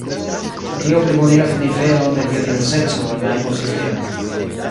Tio plibonigas la nivelon de biodiverseco en la ekosistemo.